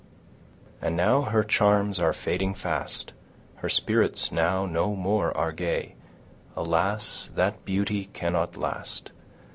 And now her charms are fading fast, Her spirits now no more are gay: Alas! that beauty cannot last!